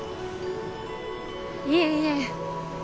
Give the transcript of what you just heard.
いえいえ。